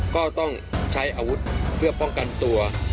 ก็ต้องใช้อาวุธเพื่อป้องกันตัว